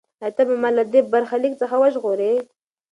ایا ته به ما له دې برخلیک څخه وژغورې؟